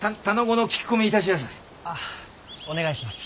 ああお願いします。